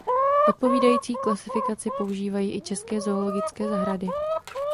Odpovídající klasifikaci používají i české zoologické zahrady.